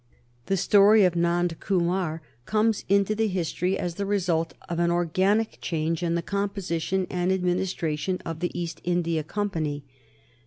The story of Nand Kumar comes into the history as the result of an organic change in the composition and administration of the East India Company.